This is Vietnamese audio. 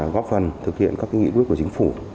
góp phần thực hiện các nghị quyết của chính phủ